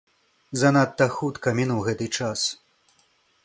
Занадта хутка мінуў гэты час.